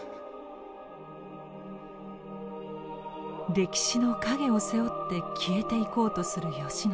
歴史の影を背負って消えていこうとする慶喜。